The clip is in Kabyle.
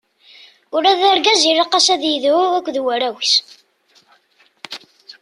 Ula d argaz ilaq-as ad yedhu akked warraw-is.